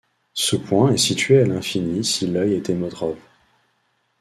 Ce point est situé à l'infini si l'œil est emmétrope.